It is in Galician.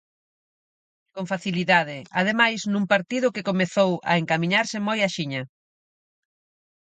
Con facilidade, ademais, nun partido que comezou a encamiñarse moi axiña.